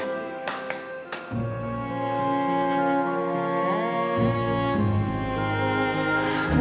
gue masuk dulu ya